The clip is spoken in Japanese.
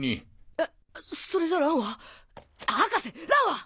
えっそれじゃ蘭は博士蘭は！？